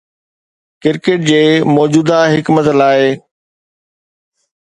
cricket جي موجوده حڪمت لاء